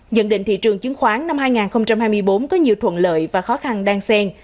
nhận định thị trường chứng khoán năm hai nghìn hai mươi bốn có nhiều thuận lợi và khó khăn đang xen